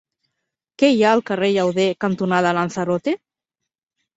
Què hi ha al carrer Llauder cantonada Lanzarote?